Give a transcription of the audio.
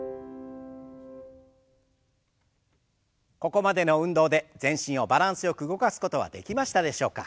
ここまでの運動で全身をバランスよく動かすことはできましたでしょうか。